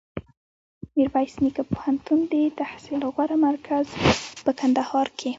میرویس نیکه پوهنتون دتحصل غوره مرکز په کندهار کي